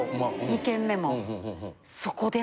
２軒目も。